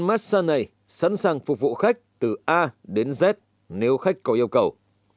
các nhân viên massage này sẵn sàng phục vụ khách từ a đến z nếu khách có yêu cầu